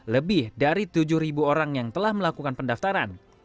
lebih dari tujuh orang yang telah melakukan pendaftaran